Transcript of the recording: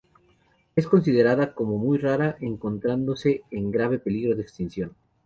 Es considerada como muy rara, encontrándose en grave peligro de extinción.